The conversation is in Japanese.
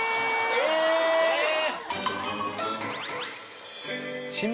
えっ！？